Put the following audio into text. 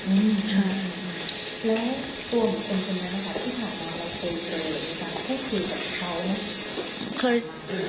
แล้วตัวเหมือนคนสุดท้ายนะคะที่สามารถเคยเจอกับเขา